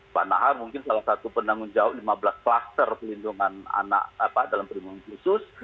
pak nahar mungkin salah satu penanggung jawab lima belas kluster pelindungan anak dalam perlindungan khusus